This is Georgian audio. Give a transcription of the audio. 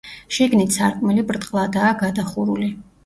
შიგნით სარკმელი ბრტყლადაა გადახურული.